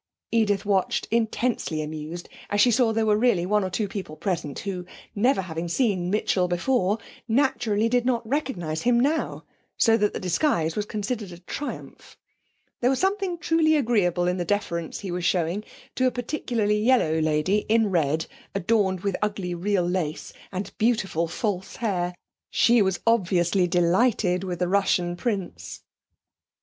Edith watched, intensely amused, as she saw that there were really one or two people present who, never having seen Mitchell before, naturally did not recognise him now, so that the disguise was considered a triumph. There was something truly agreeable in the deference he was showing to a peculiarly yellow lady in red, adorned with ugly real lace, and beautiful false hair. She was obviously delighted with the Russian prince.